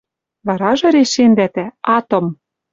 Варажы решендӓ тӓ: атом